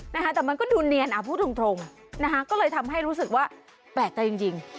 นะฮะแต่มันก็ดูเนียนก็เลยทำให้รู้สึกว่าแปลกจังจริง